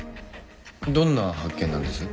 どんな発見なんです？